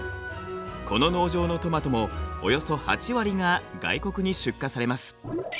この農場のトマトもおよそ８割が外国に出荷されます。